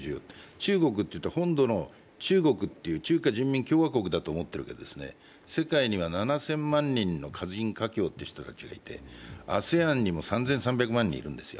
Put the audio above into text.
中国というと本土の中華人民共和国だと思っていますけども、世界には７０００万人の華人・華僑という人たちがいて、ＡＳＥＡＮにも３３００万人いるんですよ。